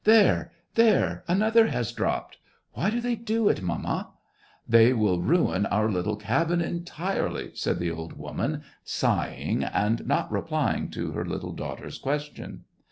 " There, there ! another has dropped ! Why do they do it, mamma ?"" They will ruin our little cabin entirely," said the old woman, sighing, and not replying to her little daughter's question.